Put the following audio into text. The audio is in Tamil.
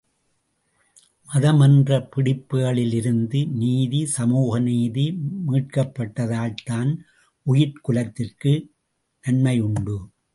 மதம் என்ற பிடிப்புகளிலிருந்து நீதி சமூக நீதி மீட்கப்பட்டால்தான் உயிர்க் குலத்திற்கு நன்மை உண்டு.